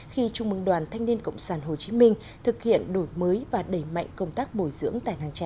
khi trung mương đoàn thanh niên cộng sản hồ chí minh thực hiện đổi mới và đẩy mạnh công tác bồi dưỡng tài năng trẻ